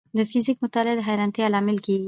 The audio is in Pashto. د فزیک مطالعه د حیرانتیا لامل کېږي.